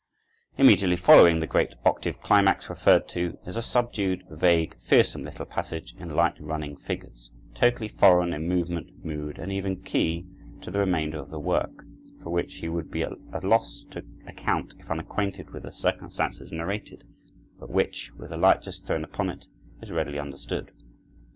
Immediately following the great octave climax referred to is a subdued, vague, fearsome little passage in light running figures, totally foreign in movement, mood, and even key to the remainder of the work, for which we would be at a loss to account if unacquainted with the circumstances narrated, but which, with the light just thrown upon it, is readily understood.